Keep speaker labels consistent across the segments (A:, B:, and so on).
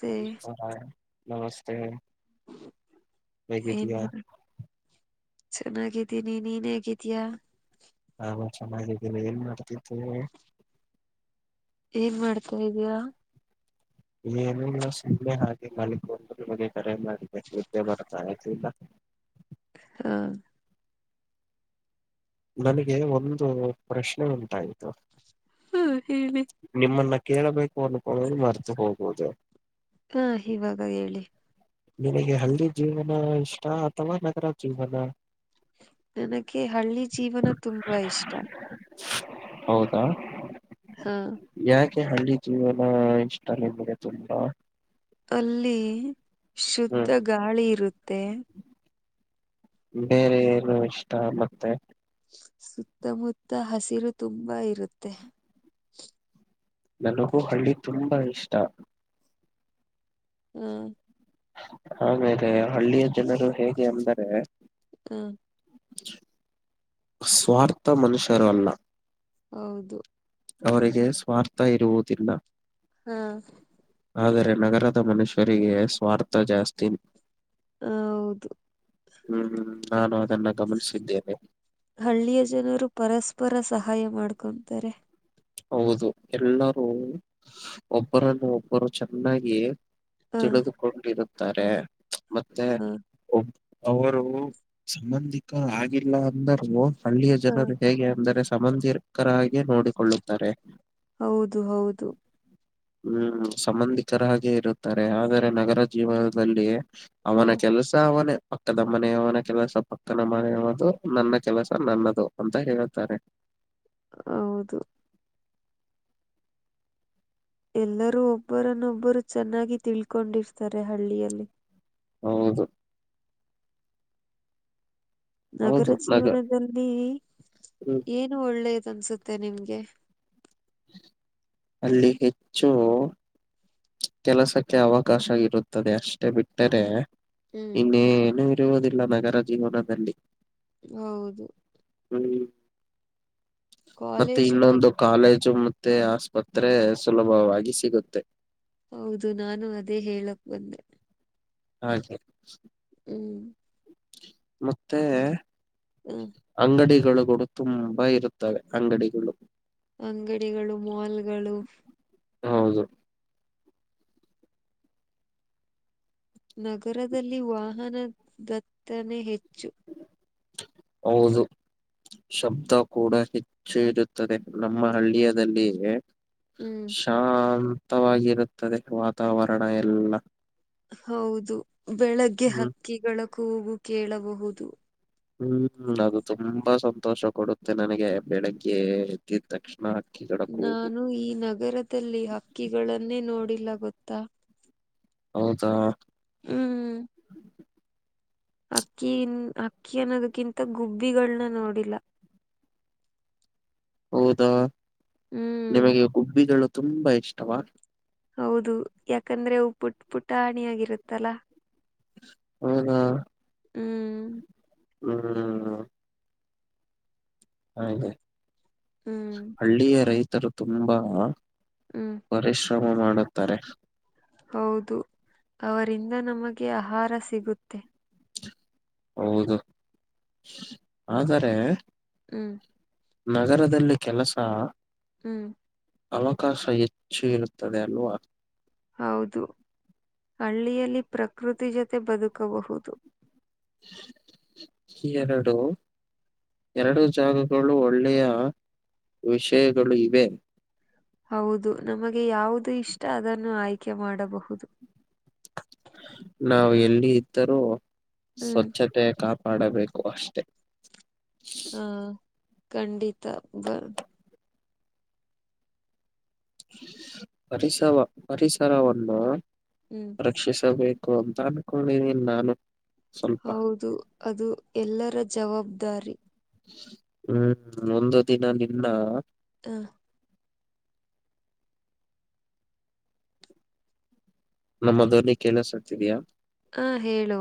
A: ಸೆ
B: ಹಾಂ ನಮಸ್ತೆ
A: ಏನ್
B: ಹೇಗಿದೀಯಾ
A: ಮಾಡ್ ಚೆನ್ನಾಗಿದ್ದೀನಿ ನೀನ್ ಹೇಗಿದ್ದೀಯಾ
B: ನಾನು ಚೆನ್ನಾಗಿದ್ದೇನಿ ಏನ್ ಮಾಡ್ತಿದ್ದೆ
A: ಏನ್ ಮಾಡ್ತಾತಾ ಇದೀಯಾ
B: ಏನಲ್ಲ ಸುಮ್ಮೆ ಹಾಗೆ ಮಲಿಕೊಂಡ್ ನಿಮಗೆ ಕರೆ ಮಾಡಿದೆ ನಿದ್ದೆ ಬರ್ತಾ ಆತ ಈಗಾ
A: ಹ
B: ನನಗೆ ಒಂದು ಪ್ರಶ್ನೆ ಉಂಟಾಯ್ತು
A: ಹ್ಮ ಹೇಳ್ಬೇಕು
B: ನಿಮ್ಮನ್ನ ಕೇಳಬೇಕು ಅನ್ಕೊಳ್ಳೋದು ಮರ್ತು ಹೋಗುವುದು
A: ಹಾ ಇವಾಗ ಹೇಳಿ
B: ನಿನಗೆ ಹಳ್ಳಿ ಜೀವನ ಇಷ್ಟ ಅಥವಾ ನಗರ ಜೀವನ
A: ನನಗೆ ಹಳ್ಳಿ ಜೀವನ ತುಂಬಾ ಇಷ್ಟಾ
B: ಹೌದಾ
A: ಹಾ
B: ಯಾಕೆ ಹಳ್ಳಿ ಜೀವನ ಇಷ್ಟ ನಿಮ್ಗೆ ತುಂಬಾ
A: ಅಲ್ಲಿ ಶುದ್ಧ
B: ಹ್ಮ್
A: ಗಾಳಿ ಇರುತ್ತೆ
B: ಬೇರೆ ಏನು ಇಷ್ಟ ಮತ್ತೆ
A: ಸುತ್ತಮುತ್ತ ಹಸಿರು ತುಂಬಾ ಇರುತ್ತೆ
B: ನನಗೂ ಹಳ್ಳಿ ತುಂಬಾ ಇಷ್ಟಾ
A: ಹ್ಮ
B: ಆಮೇಲೆ ಹಳ್ಳಿಯ ಜನರು ಹೇಗೆ ಅಂದರೆ
A: ಹಾ
B: ಸ್ವಾರ್ಥ ಮನುಷ್ಯರು ಅಲ್ಲಾ
A: ಹೌದು
B: ಅವರಿಗೆ ಸ್ವಾರ್ಥ ಇರುವುದಿಲ್ಲಾ
A: ಹಾ
B: ಆದರೆ ನಗರದ ಮನುಷ್ಯರಿಗೆ ಸ್ವಾರ್ಥ ಜಾಸ್ತಿ
A: ಹ ಹೌದು
B: ಹ್ಮ್ ಹ್ಮ್ ನಾನು ಅದನ್ನ ಗಮನಿಸಿದ್ದೇನೆ
A: ಹಳ್ಳಿಯ ಜನರು ಪರಸ್ಪರ ಸಹಾಯ ಮಾಡ್ಕೊತಾರೆ
B: ಹೌದು ಎಲ್ಲರೂ ಒಬ್ಬರನ್ನು ಒಬ್ಬರು ಚೆನ್ನಾಗಿ
A: ಹ
B: ತಿಳಿದುಕೊಂಡಿರುತ್ತಾರೆ ಮತ್ತೆ
A: ಹ
B: ಒಬ್ ಅವರು ಸಂಬಂಧಿಕ ಆಗಿಲ್ಲ ಅಂದರು ಹಳ್ಳಿಯ
A: ಹ
B: ಜನರು ಹೇಗೆ ಅಂದರೆ ಸಮಂಧಿಕರಾಗಿ ನೋಡಿಕೊಳ್ಳು ತಾರೆ
A: ಹೌದು ಹೌದು
B: ಹ್ಮ್ ಸಂಬಂಧಿಕರಾಗಿ ಇರುತ್ತಾರೆ ಆದರೆ ನಗರ ಜೀವನದಲ್ಲಿ
A: ಹ
B: ಅವನ ಕೆಲಸ ಅವನೇ ಪಕ್ಕದ ಮನೆಯವನ ಕೆಲಸ ಪಕ್ಕನ ಮನೆಯವದು ನನ್ನ ಕೆಲಸ ನನ್ನದು ಅಂತ ಹೇಳ್ತಾರೆ
A: ಹೌದು ಎಲ್ಲರೂ ಒಬ್ಬರನ್ನ ಒಬ್ಬರು ಚೆನ್ನಾಗಿ ತಿಳ್ಕೊಂಡಿರ್ತಾರೆ ಹಳ್ಳಿಯಲ್ಲಿ
B: ಹೌದು
A: ನಗರ
B: ಹೌದು ನಗ
A: ಜೀವನದಲ್ಲಿ
B: ಹ್ಮ್
A: ಏನು ಒಳ್ಳೆಯದ ಅನ್ಸುತ್ತೆ ನಿಮ್ಗೆ
B: ಅಲ್ಲಿ ಹೆಚ್ಚು ಕೆಲಸಕ್ಕೆ ಅವಕಾಶ ಇರುತ್ತದೆ ಅಷ್ಟೆ ಬಿಟ್ಟರೆ
A: ಹ್ಮ್
B: ಇನ್ನೇನು ಇರುವುದಿಲ್ಲ ನಗರ ಜೀವನದಲ್ಲಿ
A: ಹೌದು
B: ಹ್ಮ್ ಮತ್ತೆ
A: ಕಾಲೇಜು
B: ಇನ್ನೊಂದು
A: ಮತ್ತು
B: ಕಾಲೇಜ್ ಚ್ಚು ಮತ್ತೆ ಆಸ್ಪತ್ರೆ ಸುಲಭವಾಗಿ ಸಿಗುತ್ತೆ
A: ಹೌದು ನಾನು ಅದೇ ಹೇಳಕ್ ಬಂದೆ.
B: ಹಾಗೆ.
A: ಹ್ಮ್
B: ಮತ್ತೆ
A: ಹ್ಮ
B: ಅಂಗಡಿಗಳುಗಳು ತುಂಬಾ ಇರುತ್ತವೆ ಅಂಗಡಿಗುಳು.
A: ಅಂಗಡಿಗಳು ಮಾಲ್ಗಳು.
B: ಹೌದು
A: ನಗರದಲ್ಲಿ ವಾಹನ ದತ್ತಣೆ ಹೆಚ್ಚು.
B: ಹೌದು. ಶಬ್ದ ಕೂಡ ಹೆಚ್ಚು ಇರುತ್ತದೆ ನಮ್ಮ ಹಳ್ಳಿಯದಲ್ಲಿ.
A: ಹ್ಮ್
B: ಶಾಂತವಾಗಿರುತ್ತದೆ ವಾತಾವರಣ ಎಲ್ಲ.
A: ಹೌದು ಬೆಳಗ್ಗೆ
B: ಹ್ಮ್
A: ಹಕ್ಕಿಗಳ ಕೂಗು ಕೇಳಬಹುದು.
B: ಹ್ಮ್ ಅದು ತುಂಬಾ ಸಂತೋಷ ಕೊಡುತ್ತೆ ನನಗೆ ಬೆಳಿಗ್ಗೆ ಎದ್ದಿದ್ ತಕ್ಷ ನ ಹಕ್ಕಿ
A: ನಾನು ಈ ನಗರದಲ್ಲಿ ಹಕ್ಕಿಗಳನ್ನೇ ನೋಡಿಲ್ಲ ಗೊತ್ತಾ.
B: ಹೌದಾ.
A: ಹ್ಮ್ ಅಕ್ಕಿನ್ ಹಕ್ಕಿ ಅನ್ನೋದಕ್ಕಿಂತ ಗುಬ್ಬಿಗಳ್ನ ನೋಡಿಲ್ಲ.
B: ಹೌದಾ
A: ಹ್ಮ್
B: ನಿಮಗೆ ಗುಬ್ಬಿಗಳು ತುಂಬ ಇಷ್ಟವ.
A: ಹೌದು ಯಾಕಂದ್ರೆ ಅವ್ ಪುಟ್ ಪುಟಾಣಿ ಆಗಿರುತ್ತಲ್ಲ.
B: ಹೌದಾ.
A: ಹ್ಮ್
B: ಹ್ಮ್ ಹಾಗೆ
A: ಹ್ಮ್
B: ಹಳ್ಳಿಯ ರೈತರು ತುಂಬಾ
A: ಹ್ಮ್
B: ಪರಿಶ್ರಮ ಮಾಡುತ್ತಾರೆ.
A: ಹೌದು ಅವರಿಂದ ನಮಗೆ ಆಹಾರ ಸಿಗುತ್ತೆ.
B: ಹೌದು ಆದರೆ.
A: ಹ್ಮ್
B: ನಗರದಲ್ಲಿ ಕೆಲಸ.
A: ಹ್ಮ್
B: ಅವಕಾಶ ಹೆಚ್ಚು ಇರುತ್ತದೆ ಅಲ್ವ.
A: ಹೌದು ಹಳ್ಳಿಯಲ್ಲಿ ಪ್ರಕೃತಿ ಜೊತೆ ಬದುಕಬಹುದು.
B: ಎರಡು. ಎರಡು ಜಾಗಗಳು ಒಳ್ಳೆಯ ವಿಷಯಗಳು ಇವೆ.
A: ಹೌದು ನಮಗೆ ಯಾವುದು ಇಷ್ಟ ಅದನ್ನು ಆಯ್ಕೆ ಮಾಡಬಹುದು.
B: ನಾವ್ ಎಲ್ಲಿ ಇದ್ದರೂ
A: ಹ್ಮ್
B: ಸ್ವಚ್ಛತೆ ಕಾ ಪಾಡಬೇಕು ಅಷ್ಟೇ.
A: ಹ ಖಂಡಿತ ಬ
B: ಪರಿಸವ ಪರಿಸರವನ್ನ.
A: ಹ್ಮ್
B: ರಕ್ಷಿಸಬೇಕು ಅಂತ ಅನ್ಕೊಂಡಿದಿನ್ ನಾನು. ಸ್ವಲ್ಪ
A: ಹೌದು ಅದು ಎಲ್ಲರ ಜವಬ್ದಾರಿ.
B: ಹ್ಮ್ ಒಂದು ದಿನ ನಿನ್ನ
A: ಹಾಂ
B: ನಮ್ಮ ಧ್ವನಿ ಕೇಳಿಸುತ್ತಿದಿಯಾ
A: ಅಂ ಹೇಳು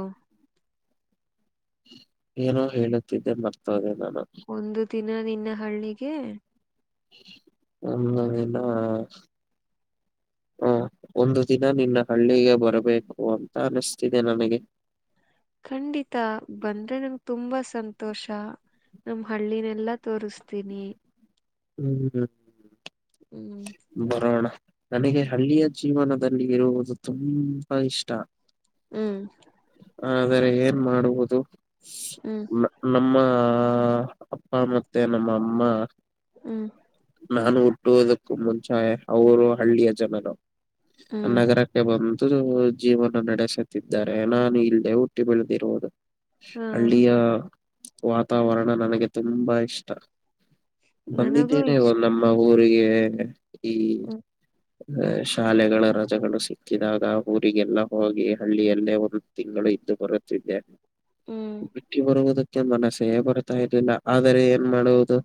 B: ಏನೋ ಹೇಳುತ್ತಿದ್ದೆ ಮರ್ತ ಹೋದೆ ನಾನು
A: ಒಂದು ದಿನ ನಿನ್ನ ಹಳ್ಳಿಗೆ
B: ಒಂದು ದಿನ ಹಾಂ ಒಂದು ದಿನ ನಿನ್ನ ಹಳ್ಳಿಗೆ ಬರಬೇಕು ಅಂತ ಅನಿಸ್ತಿದೆ ನನಗೆ
A: ಖಂಡಿತಾ ಬಂದ್ರೆ ನನಗೆ ತುಂಬಾ ಸಂತೋಷ ನಮ್ ಹಳ್ಳಿನೆಲ್ಲಾ ತೋರಿಸತೀನಿ
B: ಹ್ಮ್ ಹ್ಮ
A: ಹ್ಮ್
B: ಬರೋಣ ನನಗೆ ಹಳ್ಳಿಯ ಜೀವನದಲ್ಲಿ ಇರುವುದು ತುಂಬಾ ಇಷ್ಟ
A: ಹ್ಮ್
B: ಆದರೆ ಏನ್ ಮಾಡುವುದು.
A: ಹ್ಮ್
B: ನಮ್ಮ ಅಪ್ಪ ಮತ್ತೆ ನಮ್ ಅಮ್ಮ
A: ಹ್ಮ್
B: ನಾನು ಹುಟ್ಟುವುದಕ್ಕೂ ಮುಂಚೆ ಅವರು ಹಳ್ಳಿಯ ಜನರು
A: ಹ್ಮ್
B: ನಗರ ಬಂದು ಜೀವನ ನಡೆಸುತ್ತಿದ್ದಾರೆ ನಾನು ಇಲ್ಲದೆ ಹುಟ್ಟಿ ಬೆಳೆದಿರುವುದು
A: ಹಾ
B: ಹಳ್ಳಿಯ ವಾತಾವರಣ ನನಗೆ ತುಂಬಾ ಇಷ್ಟ
A: ನನಗೂ
B: ಬಂದಿದ್ದೇನೆ
A: ಇಷ್ಟ
B: ನಮ್ಮ ಊರಿಗೆ ಈ
A: ಹ್ಮ್
B: ಅ ಶಾಲೆಗಳ ರಜೆಗಳು ಸಿಕ್ಕಿದಾಗ ಊರಿಗೆಲ್ಲಾ ಹೋಗಿ ಹಳ್ಳಿಯಲ್ಲೇ ಓದುದು ತಿಂಗಳು ಇದ್ದು ಬರುತ್ತಿದ್ದೆ
A: ಹ್ಮ್
B: ಬಿಟ್ಟಿ ಬರುವುದಕ್ಕೆ ಮನಸ್ಸೇ ಬರ್ತಾ ಇರ್ಲಿಲ್ಲ ಆದರೆ ಏನ್ ಮಾಡುವುದು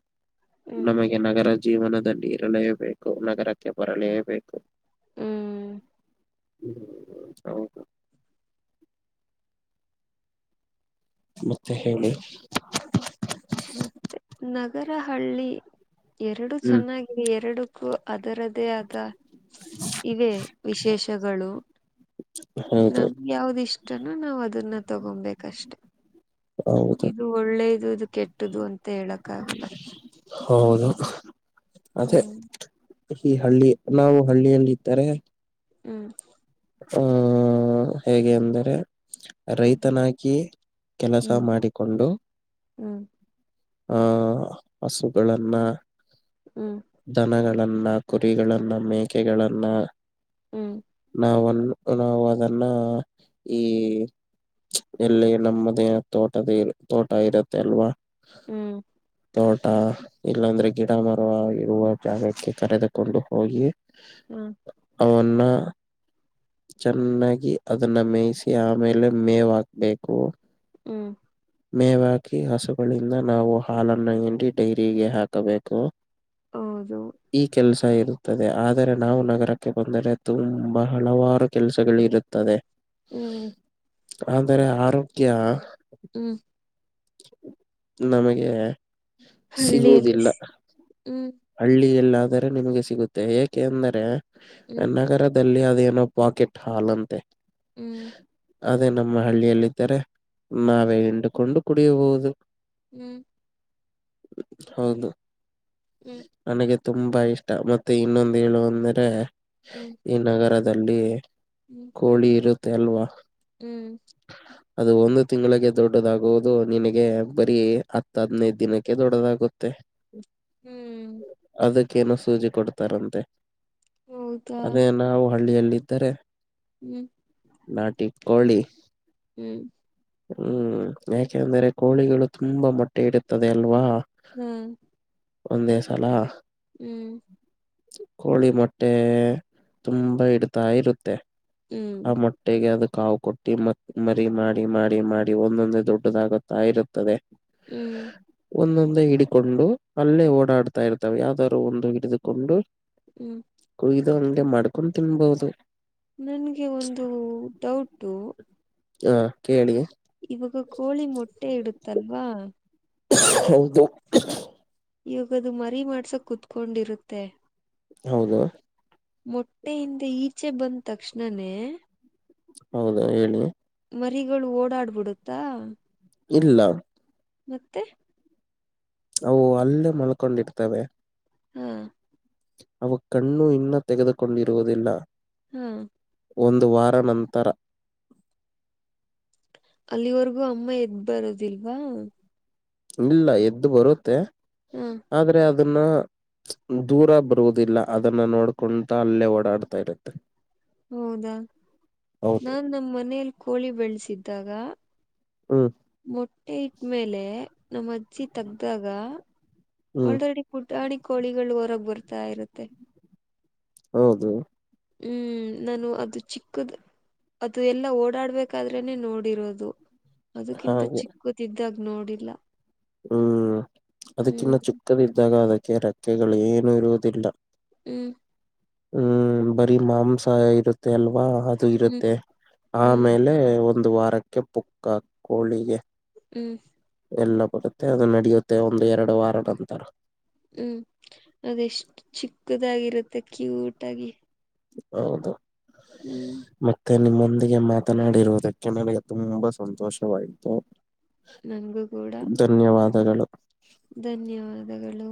A: ಹ್ಮ್
B: ನಮಗೆ ನಗರ ಜೀವನದಲ್ಲಿ ಇರಲೇಬೇಕು ನಗರಕ್ಕೆ ಬರಲೇಬೇಕು
A: ಹ್ಮ್
B: ಹೌದು ಮತ್ತೆ ಹೇಳಿ
A: ಮತ್ತೆ ನಗರ ಹಳ್ಳಿ ಎರಡು
B: ಹ್ಮ್
A: ಚೆನ್ನಾಗಿದೆ ಎರಡಕ್ಕೂ ಅದರದ್ ಅದೇ ಆದ ಇವೆ ವಿಶೇಷಗಳು
B: ಹೌದು
A: ನಮ್ಗೆ ಯಾವ್ದಿಷ್ಟನೋ ನಾವ್ ಅದನ್ನ ತಗೊಬೇಕಷ್ಟೆ
B: ಹೌದು
A: ಇದು ಒಳ್ಳೇದು ಇದು ಕೆಟ್ಟ್ದು ಅಂತ ಹೇಳಕ್ಕ ಆಗಲ್ಲ
B: ಹೌದು ಅದೇ
A: ಹ್ಮ್
B: ಈ ಹಳ್ಳಿ ನಾವು ಹಳ್ಳಿಯಲ್ಲಿ ಇದ್ದಾರೆ
A: ಹ್ಮ್
B: ಹ್ಮ ಹೇಗೆ ಅಂದರೆ ರೈತನಾಗಿ ಕೆಲಸ
A: ಹ್ಮ್
B: ಮಾಡಿಕೊಂಡು
A: ಹ್ಮ್
B: ಆ ಹಸುಗಳನ್ನ
A: ಹ್ಮ್
B: ದನಗಳನ್ನ ಕುರಿಗಳನ್ನ ಮೇಕೆಗಳನ್ನ
A: ಹ್ಮ್
B: ನಾವನ್ನು ನಾವು ಅದನ್ನ ಈ ಎಲ್ಲಿ ನಮ್ಮದೇ ತೋಟದ ತೋಟ ಇರುತ್ತೆ ಅಲ್ವಾ
A: ಹ್ಮ್
B: ತೋಟಾ ಇಲ್ಲಾಂದ್ರೆ ಗಿಡ ಮರವ ಇರುವ ಜಾಗಕ್ಕೆ ಕರೆದುಕೊಂಡು ಹೋಗಿ
A: ಹ್ಮ್
B: ಅವನ್ನ. ಚೆನ್ನಾಗಿ ಅದನ್ನ ಮೇಯ್ಸಿ ಆಮೇಲೆ ಮೇವ್ ಹಾಕ್ಬೇಕು.
A: ಹ್ಮ್
B: ಮೇವಾಕಿ ಹಸುಗಳಿಂದ ನಾವು ಹಾಲನ್ನು ಹಿಂಡಿ ಡೈರಿಗೆ ಹಾಕಬೇಕು. [inaudible]
A: ಹೌದು.
B: ಈ ಕೆಲ್ಸ ಇರುತ್ತದೆ ಆದರೆ ನಾವು ನಗರಕ್ಕೆ ಬಂದರೆ ತುಂಬ್ ತುಂಬಾ ಹಲವಾರು ಕೆಲ್ಸಗಳ್ ಇರುತ್ತದೆ.
A: ಹ್ಮ್
B: ಅದರೆ ಆರೋಗ್ಯ.
A: ಹ್ಮ್
B: ನಮಗೆ.
A: ಹಳ್ಳಿಯಲ್ಲಿ ಸ್ ಹ್ಮ್.
B: ಹಳ್ಳಿ ಎಲ್ಲಾದರೆ ನಿಮ್ಗೆ ಸಿಗುತ್ತೆ ಏಕೆಂದರೆ
A: ಹ್ಮ್
B: ನಗರದ್ ದಲ್ಲಿ ಅದ್ಯೆನೋ ಪಾಕೆಟ್ ಹಾಲಂತೆ.
A: ಹ್ಮ್
B: ಅದೇ ನಮ್ಮ ಹಳ್ಳಿಯಲ್ಲಿದ್ದರೆ
A: ಹ್ಮ್
B: ನಾವೇ ಇಂಡುಕೊಂಡು ಕುಡಿಯಬಹುದು.
A: ಹ್ಮ್
B: ಹೌದು.
A: ಹ್ಮ್
B: ನನಗೆ ತುಂಬಾ ಇಷ್ಟ ಮತ್ತೆ ಇನ್ನೊಂದ್ ಹೇಳು ಅಂದ್ರೆ.
A: ಹ್ಮ್
B: ಈ ನಗರದಲ್ಲಿ.
A: ಹ್ಞೂ.
B: ಕೋಳಿ ಇರುತ್ತೆ ಅಲ್ವಾ.
A: ಹ್ಮ್
B: ಅದು ಒಂದು ತಿಂಗಳಿಗೆ ದೊಡ್ಡದಾಗುವುದು ನಿನಗೆ ಬರೀ. ಹತ್ತು ಹದ್ನೈದ್ ದಿನಕ್ಕೆ ದೊಡ್ಡದಾಗುತ್ತೆ.
A: ಹ್ಮ್
B: ಅದಕ್ಕೇನೋ ಸೂಜಿ ಕೊಡ್ತಾರಂತೆ.
A: ಹೌದಾ
B: ಅದೇ ನಾವು ಹಳ್ಳಿಯಲ್ಲಿದ್ದರೆ.
A: ಹ್ಮ್
B: ನಾಟಿ ಕೋಳಿ.
A: ಹ್ಮ್
B: ಹ್ಮ್ ಯಾಕೆಂದ್ರೆ ಕೋಳಿಗಳು ತುಂಬಾ ಮೊಟ್ಟೆ ಇಡುತದೆ ಅಲ್ವಾ.
A: ಹ್ಮ್
B: ಒಂದೇ ಸಲ.
A: ಹ್ಮ್
B: ಕೋಳಿ ಮೊಟ್ಟೆ ತುಂಬಾ ಇಡ್ತಾ ಇರುತ್ತೆ
A: ಹ್ಮ್
B: ಆ ಮೊಟ್ ಟ್ಟೆಗೆ ಅದು ಕಾವು ಕೊಟ್ಟಿ ಮ ಮರಿ ಮಾಡಿ ಮಾಡಿ ಮಾಡಿ ಒಂದೊಂದೆ ದೊಡ್ಡದಾಗುತ್ತಾ ಇರುತ್ತದೆ.
A: ಹ್ಮ್
B: ಒಂದೊಂದೇ ಹಿಡಿಕೊಂಡು ಅಲ್ಲೇ ಓಡಾಡ್ತಾ ಇರ್ತಾವೆ ಯಾವ್ದಾರರು ಒಂದು ಹಿಡಿದುಕೊಂಡು.
A: ಹ್ಮ್
B: ಕುಗ್ದು ಹಂಗೆ ಮಾಡ್ಕೊಂದ್ ತಿನ್ಬೊದು.
A: ನನ್ಗೆ ಒಂದು ಡೌಟು.
B: ಹಾ ಕೇಳಿ.
A: ಇವಾಗ ಕೋಳಿ ಮೊಟ್ಟೆ ಇಡುತಲ್ವಾ.
B: ಹೌದು.
A: ಇವಾಗದು ಮರಿ ಮಾಡ್ಸೋಕ್ ಕೂತ್ಕೊಂಡಿರುತ್ತೆ.
B: ಹೌದ
A: ಮೊಟ್ಟೆಯಿಂದ ಈಚೆ ಬಂದ್ ತಕ್ಷಣನೇ
B: ಹೌದಾ ಹೇಳಿ
A: ಮರಿಗಳು ಓಡಾಡ್ಬಿಡುತ್ತಾ
B: ಇಲ್ಲ
A: ಮತ್ತೆ
B: ಅವು ಅಲ್ಲೇ ಮಲ್ಕೊಂಡಿರ್ತವೆ
A: ಹಾ
B: ಅವು ಕಣ್ಣು ಇನ್ನು ತೆಗೆದುಕೊಂಡಿರುವುದಿಲ್ಲ
A: ಹ್ಮ್
B: ಒಂದು ವಾರ ನಂತರ
A: ಅಲ್ಲಿವರೆಗೂ ಅಮ್ಮ ಎದ್ ಬರದಿಲ್ವಾ
B: ಇಲ್ಲ ಎದ್ದು ಬರುತ್ತೆ
A: ಹ್ಮ
B: ಆದ್ರೆ ಅದನ್ನ ದೂರ ಬರುವುದಿಲ್ಲ ಅದನ್ನ ನೋಡ್ಕೊಂತ ಅಲ್ಲೇ ಓಡಾಡ್ತಾ ಇರುತ್ತೆ
A: ಹೌದಾ
B: ಹೌದು
A: ನಾನ್ ನಮ್ಮ ಮನೇಯಲ್ಲಿ ಕೋಳಿ ಬೆಳೆಸಿದ್ದಾಗ
B: ಹ್ಮ್
A: ಮೊಟ್ಟೆ ಇಟ್ಟ್ಮೇಲೆ ನಮ್ಮ್ ಅಜ್ಜಿ ತಗ್ದಾಗ
B: ಹ್ಮ್
A: ಆಲ್ರೆಡಿ ಪುಟಾಣಿ ಕೋಳಿಗಳು ಹೊರಗ್ ಬರ್ತಾ ಇರುತ್ತೆ
B: ಹೌದು
A: ಹ್ಮ್ ನಾನು ಅದು ಚಿಕ್ಕುದು ಅದು ಎಲ್ಲ ಓಡಾಡ್ಬೇಕಾದ್ರನೆ ನೋಡಿರೋದು ಅದಕ್ಕಿಂತ
B: ಹಾಗೆ
A: ಚಿಕ್ಕದಿದ್ದಾಗ ನೋಡಿಲ್ಲ
B: ಹ್ಮ್ ಅದಕ್ಕಿನ್ನ
A: ಹ್ಮ್
B: ಚಿಕ್ಕದ್ದಾಗ ಅದಕ್ಕೆ ರೆಕ್ಕೆಗಳು ಏನು ಇರುವುದಿಲ್ಲ
A: ಹ್ಮ್
B: ಹ್ಮ್ ಬರಿ ಮಾಂಸ ಇರುತ್ತೆ ಅಲ್ವಾ ದು
A: ಹ್ಮ್
B: ಇರುತ್ತೆ
A: ಹ್ಮ್
B: ಆಮೇಲೆ ಒಂದು ವಾರಕ್ಕೆ ಪುಕ್ಕ ಕೋಳಿಗೆ
A: ಹ್ಮ್
B: ಎಲ್ಲ ಬರುತ್ತೆ ಅದು ನಡೆಯುತ್ತೆ ಒಂದು ಎರಡು ವಾರ ನಂತರ
A: ಹ್ಮ್ ಅದೆಷ್ಟು ಚಿಕ್ಕದಾಗಿರುತ್ತೆ ಕ್ಯೂಟ್ ಆಗಿ
B: ಹೌದು
A: ಹ್ಮ್
B: ಮತ್ತೆ ನಿಮ್ಮೊಂದಿಗೆ ಮಾತನಾಡಿರುವುದಕ್ಕೆ ನನಗೆ ತುಂಬಾ ಸಂತೋಷವಾಯ್ತು.
A: ನನ್ಗು ಗೂಡ
B: ಧನ್ಯವಾದಗಳು
A: ಧನ್ಯವಾದಗಳು